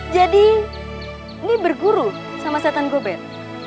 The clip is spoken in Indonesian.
jadi ini berguru sama setan gobel